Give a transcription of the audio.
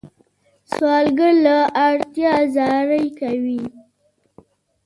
سوالګر له اړتیا زاری کوي